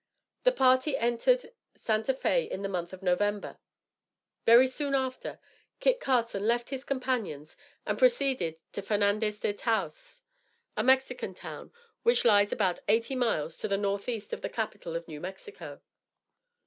The party entered Santa Fé in the month of November. Very soon after, Kit Carson left his companions and proceeded to Fernandez de Taos, a Mexican town, which lies about eighty miles to the northeast of the capital of New Mexico.